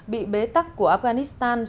bị bế tắc của afghanistan